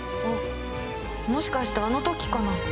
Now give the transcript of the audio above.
あっもしかしてあの時かな？